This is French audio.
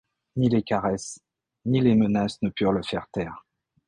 Ni les caresses, ni les menaces ne purent le faire taire